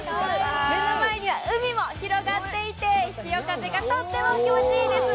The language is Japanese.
目の前には海も広がっていて、潮風がとっても気持ちいいです。